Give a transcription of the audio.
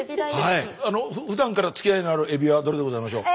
ふだんからつきあいのあるエビはどれでございましょう？